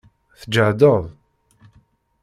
Tǧehdeḍ?